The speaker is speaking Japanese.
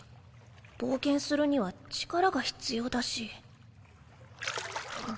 冒険するには力が必要だし。